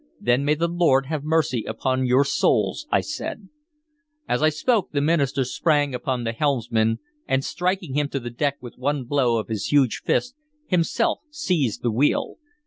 "Then may the Lord have mercy upon your souls!" I said. As I spoke the minister sprang upon the helmsman, and, striking him to the deck with one blow of his huge fist, himself seized the wheel.